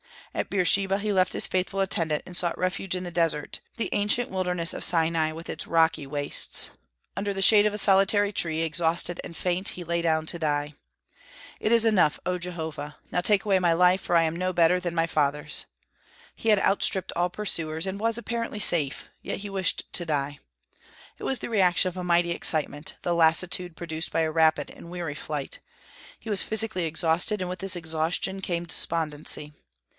At Beersheba he left his faithful attendant, and sought refuge in the desert, the ancient wilderness of Sinai, with its rocky wastes. Under the shade of a solitary tree, exhausted and faint, he lay down to die. "It is enough, O Jehovah! now take away my life, for I am no better than my fathers." He had outstripped all pursuers, and was apparently safe, yet he wished to die. It was the reaction of a mighty excitement, the lassitude produced by a rapid and weary flight. He was physically exhausted, and with this exhaustion came despondency.